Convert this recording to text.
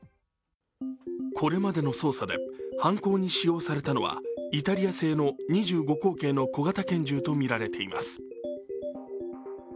これまでの捜査で犯行に使用されたのはイタリア製の２５口径の小型拳銃とみられています。